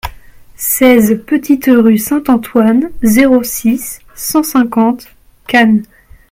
seize petite Rue Saint-Antoine, zéro six, cent cinquante, Cannes